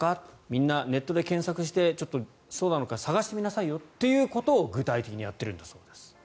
みんなネットで検索して探してみなさいよということを具体的にやっているそうです。